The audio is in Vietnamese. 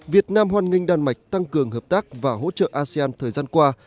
việt nam hoan nghênh đan mạch tăng cường hợp tác và hỗ trợ asean thời gian qua